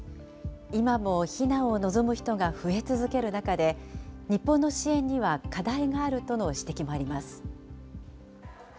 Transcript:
今も避難を望む人が増え続ける中で、日本の支援には課題があるとの指摘もあります。